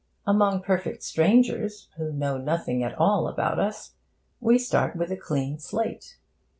Among perfect strangers, who know nothing at all about us, we start with a clean slate.